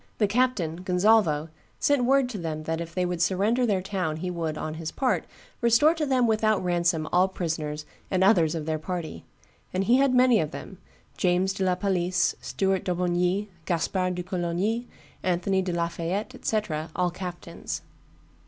The captain, Gonzalvo, sent word to them that if they would surrender their town he would, on his part, restore to them without ransom all prisoners and others of their party; and he had many of them, James de la Palisse, Stuart d'Aubigny, Gaspard de Coligny, Anthony de la Fayette, &c., all captains.